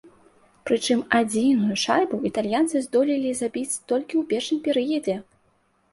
Прычым адзіную шайбу італьянцы здолелі забіць толькі ў першым перыядзе.